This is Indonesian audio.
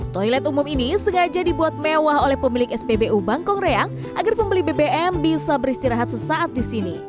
toilet umum ini sengaja dibuat mewah oleh pemilik spbu bangkong reang agar pembeli bbm bisa beristirahat sesaat di sini